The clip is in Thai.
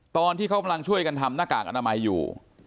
ตอนที่เขากำลังช่วยกันทำหน้ากากอนามัยอยู่